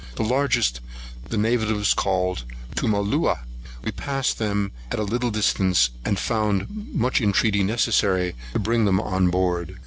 The largest the natives called Tumaluah.[136 2] We passed them at a little distance, and found much intreaty necessary to bring them on board.